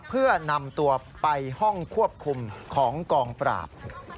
เพื่อนำตัวไปห้องควบคุมของกองปราบ